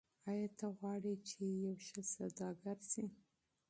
آیا ته غواړې چې یو ښه سوداګر شې؟